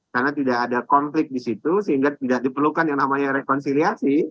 karena tidak ada konflik di situ sehingga tidak diperlukan yang namanya rekonsiliasi